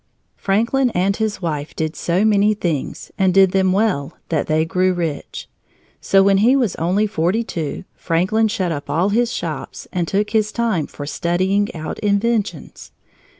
Franklin and his wife did so many things and did them well that they grew rich. So when he was only forty two, Franklin shut up all his shops and took his time for studying out inventions.